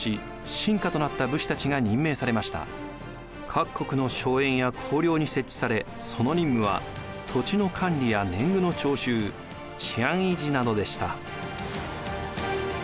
各国の荘園や公領に設置されその任務は土地の管理や年貢の徴収治安維持などでした。